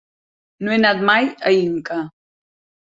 No he anat mai a Inca.